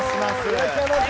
いらっしゃいませ。